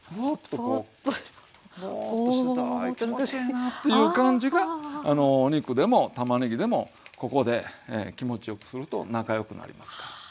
ぼっとしてたい気持ちええなっていう感じがあのお肉でもたまねぎでもここで気持ちよくすると仲良くなりますから。